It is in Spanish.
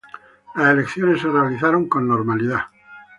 Las elecciones se realizaron con normalidad.